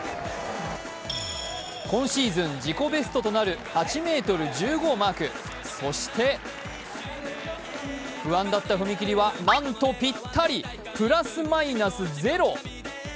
今シーズン自己ベストとなる８ｍ１５をマーク、そして、不安だった踏み切りはなんとぴったり、プラスマイナスゼロ。